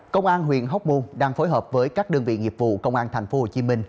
công an huyện hóc môn đang phối hợp với các đơn vị nghiệp vụ công an thành phố hồ chí minh